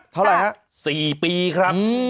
เท่าไหร่ฮะ๔ปีครับ